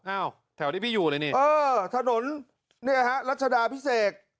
อ้าวแถวที่พี่อยู่เลยนี่เออถนนเนี่ยฮะรัชดาพิเศษ